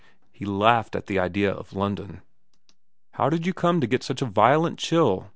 He laughed at the idea of London. ' How did you come to get such a violent chill